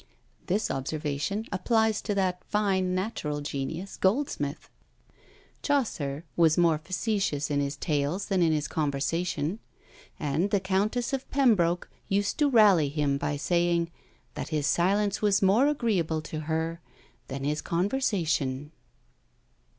This observation applies to that fine natural genius Goldsmith. Chaucer was more facetious in his tales than in his conversation, and the Countess of Pembroke used to rally him by saying, that his silence was more agreeable to her than his conversation.